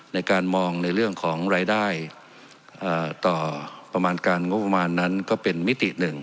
ในการมองในเรื่องของรายได้ต่อประมาณการงบประมาณนั้นก็เป็นมิติหนึ่ง